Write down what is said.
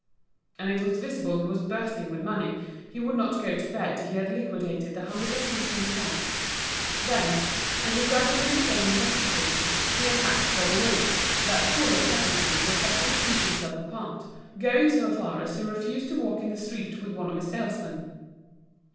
And it was visible he was bursting with money, he would not go to bed till he had liquidated the hundred and fifteen francs. Then, as he gradually became intoxicated, he attacked Robineau, that fool of a second hand who affected to keep himself apart, going so far as to refuse to walk in the street with one of his salesmen.